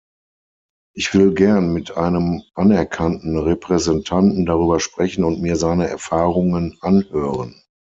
Ich will gern mit einem anerkannten Repräsentanten darüber sprechen und mir seine Erfahrungen anhören.